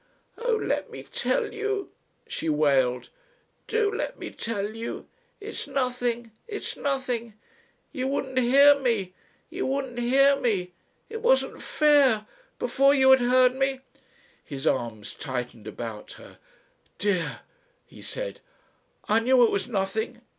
"Oh! let me tell you," she wailed. "Do let me tell you. It's nothing. It's nothing. You wouldn't hear me. You wouldn't hear me. It wasn't fair before you had heard me...." His arms tightened about her. "Dear," he said, "I knew it was nothing.